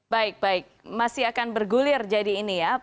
baik baik masih akan bergulir jadi ini ya